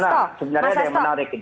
nah sebenarnya ada yang menarik ini